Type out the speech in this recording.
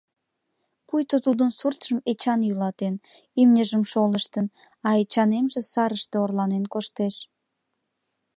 Пуйто тудын суртшым Эчан йӱлатен, имньыжым шолыштын, а Эчанемже сарыште орланен коштеш.